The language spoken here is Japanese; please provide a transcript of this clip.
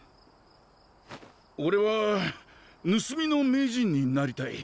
おれは盗みの名人になりたい。